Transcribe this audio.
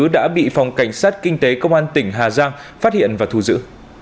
đã bị phòng cảnh sát kinh tế công an tỉnh hà giang phát hiện và thu giữ